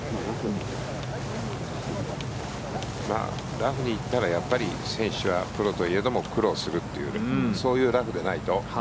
ラフに行ったらやっぱり選手はプロといえども苦労するというそういうラフでないと。